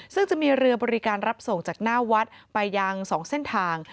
ซึ่งจะมีเรือบริการรับส่งจากหน้าวัดไปยัง๒เส้นทาง